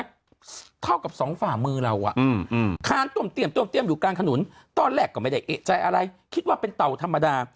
เท่ากับสองฝ่ามือเราอ่ะค้านต้วมเตี้ยมอยู่กลางถนนตอนแรกก็ไม่ได้เอกใจอะไรคิดว่าเป็นเต่าธรรมดา